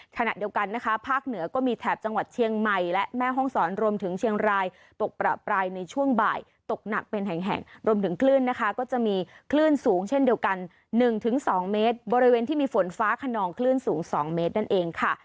ขณะเดียวกันนะคะภาคเหนือก็มีแถบจังหวัดเชียงใหม่และแม่ห้องศรรวมถึงเชียงรายตกประปรายในช่วงบ่ายตกหนักเป็นแห่งรวมถึงคลื่นนะคะก็จะมีคลื่นสูงเช่นเดียวกัน๑๒เมตรบริเวณที่มีฝนฟ้าขนองคลื่นสูง๒เมตรนั่นเองค่ะ